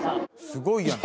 すごいやん。